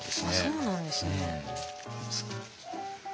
そうなんですね。